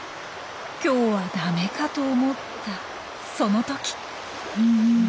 今日はダメかと思ったその時。